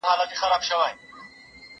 زما په غم کي تر قيامته به ژړيږي